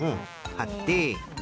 はって。